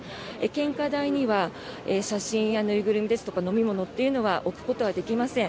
献花台には写真や縫いぐるみですとか飲み物というのは置くことはできません。